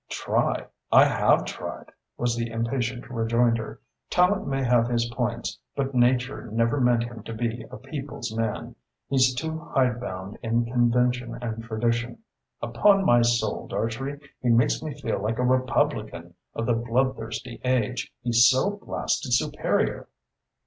"Try? I have tried," was the impatient rejoinder. "Tallente may have his points but nature never meant him to be a people's man. He's too hidebound in convention and tradition. Upon my soul, Dartrey, he makes me feel like a republican of the bloodthirsty age, he's so blasted superior!"